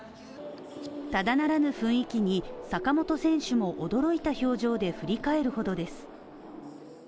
ただならぬ雰囲気に坂本選手も驚いた表情で振り返るほどです。